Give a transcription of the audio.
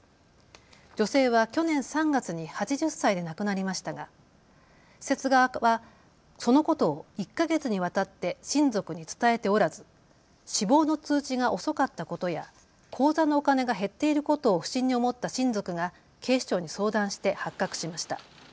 女性は去年３月に８０歳で亡くなりましたが施設側はそのことを１か月にわたって親族に伝えておらず死亡の通知が遅かったことや口座のお金が減っていることを不審に思った親族が警視庁に相談して発覚しました。